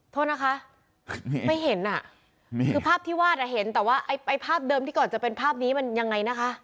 โทษนะคะไม่เห็นอ่ะนี่คือภาพที่วาดอ่ะเห็นแต่ว่าไอ้ภาพเดิมที่ก่อนจะเป็นภาพนี้มันยังไงนะคะ